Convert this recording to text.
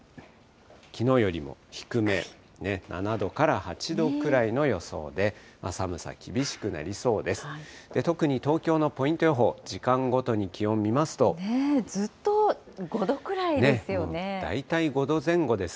きのうよりも低め、７度から８度くらいの予想で、寒さ厳しくなりそうです。